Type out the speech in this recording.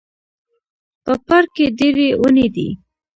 په پارک کې ډیري وني دي